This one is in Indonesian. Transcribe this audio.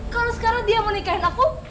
kalau sekarang dia mau nikahin aku